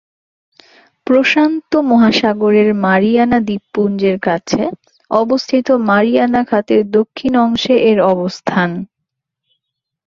প্রশান্ত মহাসাগরের মারিয়ানা দ্বীপপুঞ্জের কাছে অবস্থিত মারিয়ানা খাতের দক্ষিণ অংশে এর অবস্থান।